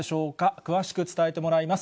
詳しく伝えてもらいます。